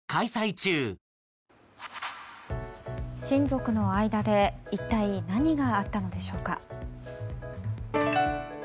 親族の間で一体何があったのでしょうか。